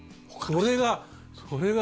それがそれが。